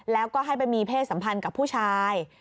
แล้วก็ให้ไปมีเพศสัมพันธ์กับผู้ชาย